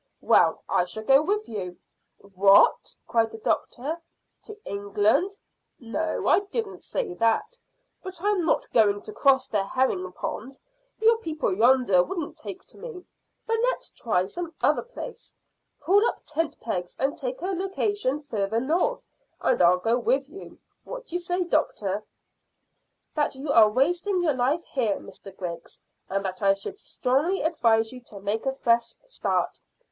Well, I shall go with you." "What!" cried the doctor. "To England?" "No, I didn't say that. I'm not going to cross the herring pond. Your people yonder wouldn't take to me. But let's try some other place. Pull up tent pegs and take up a location farther north, and I'll go with you. What do you say, doctor?" "That you are wasting your life here, Mr Griggs, and that I should strongly advise you to make a fresh start."